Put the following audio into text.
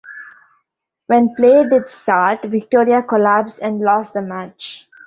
When play did start, Victoria collapsed and lost the match.